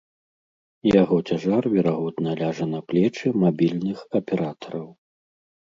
Яго цяжар верагодна ляжа на плечы мабільных аператараў.